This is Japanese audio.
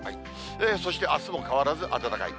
そしてあすも変わらず暖かい。